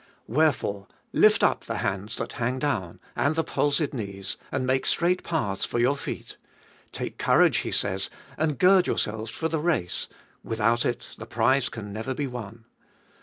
Wherefore lift up the hands that hang down, and the palsied knees ; and make straight paths for your feet. Take courage, he says, and Doiiest or an 405 gird yourselves for the race — without it the prize can never be won.